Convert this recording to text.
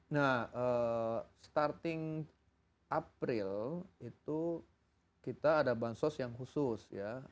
nah mulai april itu kita ada bansos yang khusus